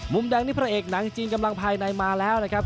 แดงนี่พระเอกหนังจีนกำลังภายในมาแล้วนะครับ